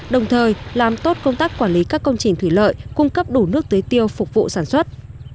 đồng thời làm tốt công tác quản lý các công trình thủy lợi cung cấp đủ nước tưới tiêu phục vụ sản xuất